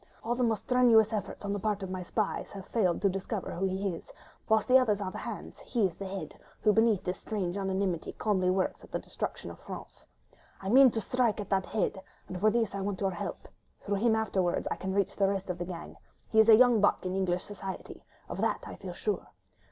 All the most strenuous efforts on the part of my spies have failed to discover who he is; whilst the others are the hands, he is the head, who beneath this strange anonymity calmly works at the destruction of France. I mean to strike at that head, and for this I want your help—through him afterwards I can reach the rest of the gang: he is a young buck in English society, of that I feel sure.